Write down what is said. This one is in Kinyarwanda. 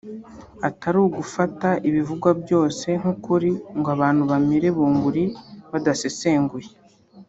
atari ugufata ibivugwa byose nk’ukuri ngo abantu bamire bunguri badasesenguye